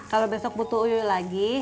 kalau besok butuh uu lagi